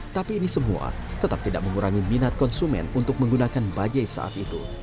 tapi ini semua tetap tidak mengurangi minat konsumen untuk menggunakan bajai saat itu